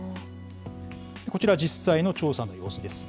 こちら、実際の調査の様子です。